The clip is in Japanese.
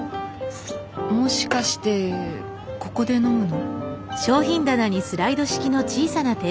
もしかしてここで飲むの？